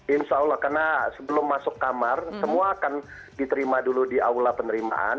insya allah karena sebelum masuk kamar semua akan diterima dulu di aula penerimaan